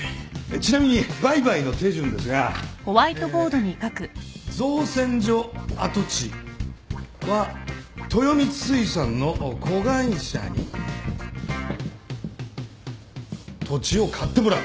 ちなみに売買の手順ですがえ造船所跡地は豊光水産の子会社に土地を買ってもらう。